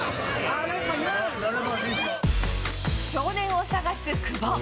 少年を探す久保。